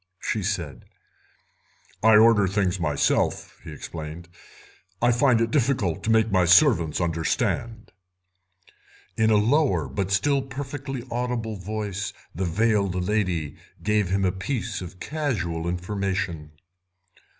she said. "I order the things myself," he explained; "I find it difficult to make my servants understand." In a lower, but still perfectly audible, voice the veiled lady gave him a piece of casual information.